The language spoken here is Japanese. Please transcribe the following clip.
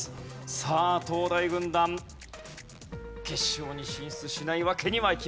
さあ東大軍団決勝に進出しないわけにはいきません。